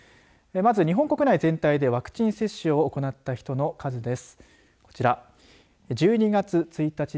まず日本国内全体でワクチン接種を行った人の数です。